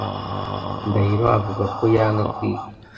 Ndahiro avuga ko yanga kwiga.